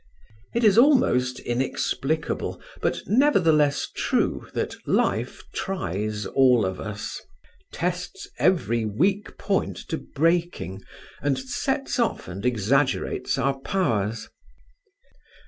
It is almost inexplicable, but nevertheless true that life tries all of us, tests every weak point to breaking, and sets off and exaggerates our powers.